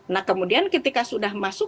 nah kemudian ketika sudah masuk